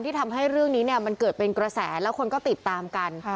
ทำให้เรื่องนี้มันเกิดเป็นกระแสแล้วคนก็ติดตามกัน